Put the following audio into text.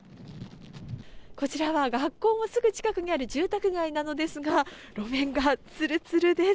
こちらは学校もすぐ近くにある住宅街なのですが路面がツルツルです。